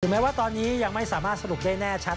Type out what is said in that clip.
แม้ว่าตอนนี้ยังไม่สามารถสรุปได้แน่ชัด